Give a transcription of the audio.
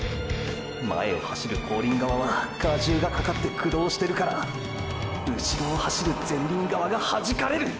前を走る後輪側は荷重がかかって駆動してるからうしろを走る前輪側がはじかれる！！